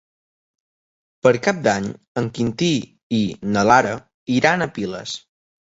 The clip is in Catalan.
Per Cap d'Any en Quintí i na Lara iran a Piles.